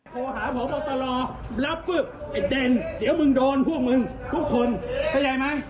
โทรหาผมตลอดรับซึ่งไอ้เด่นเดี๋ยวมึงโดนพวกมึงทุกคนเข้าใจมั้ย